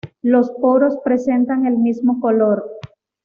Los poros presentan el mismo color.